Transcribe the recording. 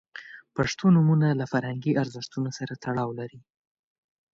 • پښتو نومونه له فرهنګي ارزښتونو سره تړاو لري.